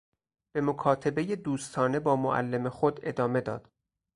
به مکاتبهی دوستانه با معلم خود ادامه داد.